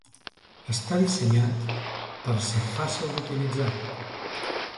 Està dissenyat per ser fàcil d'utilitzar.